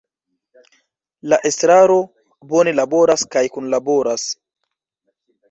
La Estraro bone laboras kaj kunlaboras.